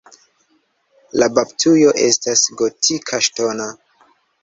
La baptujo estas gotika ŝtona.